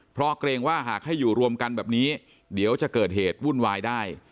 เพราะเกรงว่าหากให้อยู่รวมกันแบบนี้เดี๋ยวจะเกิดเหตุวุ่นวายได้